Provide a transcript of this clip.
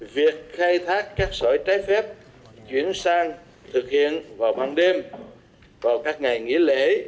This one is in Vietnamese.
việc khai thác cát sỏi trái phép chuyển sang thực hiện vào ban đêm vào các ngày nghỉ lễ